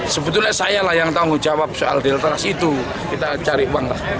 sebetulnya saya lah yang tanggung jawab soal deltas itu kita cari uang lah